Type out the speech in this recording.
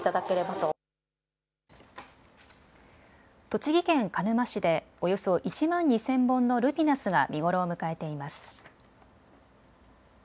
栃木県鹿沼市でおよそ１万２０００本のルピナスが見頃を迎えています。